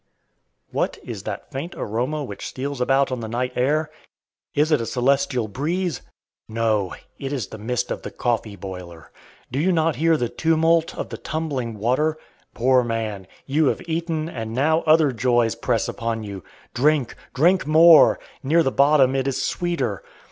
What is that faint aroma which steals about on the night air? Is it a celestial breeze? No! it is the mist of the coffee boiler. Do you not hear the tumult of the tumbling water? Poor man! you have eaten, and now other joys press upon you. Drink! drink more! Near the bottom it is sweeter.